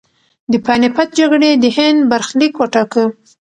د پاني پت جګړې د هند برخلیک وټاکه.